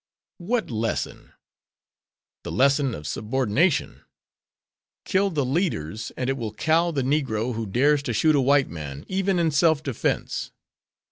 What lesson? The lesson of subordination. "Kill the leaders and it will cow the Negro who dares to shoot a white man, even in self defense."